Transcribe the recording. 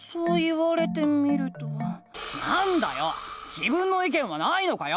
自分の意見はないのかよ！